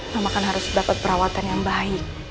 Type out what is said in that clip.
mama kan harus dapat perawatan yang baik